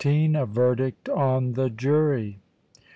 A VERDICT ON THE JURY.